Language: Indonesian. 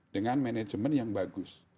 dengan manajemen yang bagus